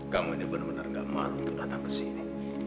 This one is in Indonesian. kamu ini benar benar tidak mahu datang ke sini